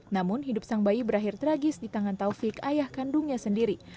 namun hidup sang bayi berakhir tragis di tangan taufik ayah kandungnya sendiri